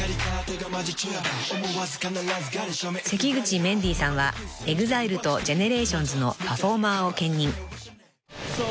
［関口メンディーさんはＥＸＩＬＥとＧＥＮＥＲＡＴＩＯＮＳのパフォーマーを兼任］